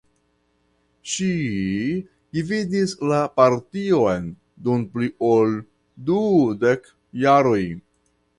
Ŝi gvidis la partion dum pli ol dudek jaroj.